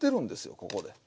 ここで。